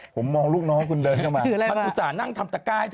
ผมมองลูกน้องคุณเดินเข้ามามาอุตส่านั่งทำตะกาย